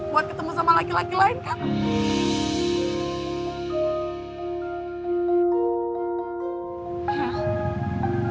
buat ketemu sama laki laki lain kan